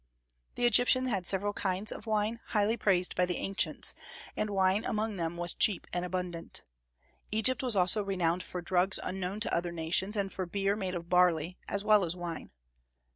The Egyptians had several kinds of wine, highly praised by the ancients; and wine among them was cheap and abundant. Egypt was also renowned for drugs unknown to other nations, and for beer made of barley, as well as wine.